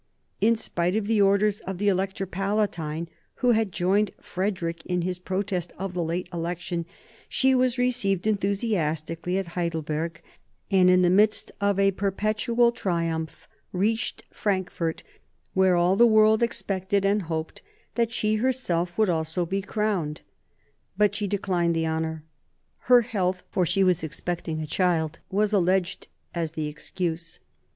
In spite of the orders of the Elector Palatine, who had joined Frederick in his protest at the late election, she was received enthusiastically at Heidelberg, and in the midst of a perpetual triumph reached Frankfort, where all the world expected and hoped that she herself would also be crowned. But she declined the honour. Her health, for she was expecting a child, was alleged as the excuse.